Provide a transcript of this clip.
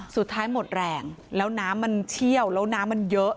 สุดท้ายหมดแรงแล้วน้ำมันเชี่ยวแล้วน้ำมันเยอะ